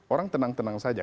orang tenang tenang saja